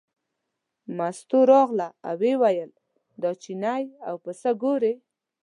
مستو راغله او ویې ویل دا چینی او پسه ګورې.